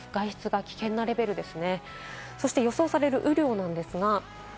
外出が危険なレベルです。